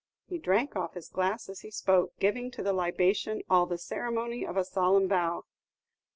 He drank off his glass as he spoke, giving to the libation all the ceremony of a solemn vow.